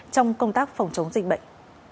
trong công tác phòng chống dịch bệnh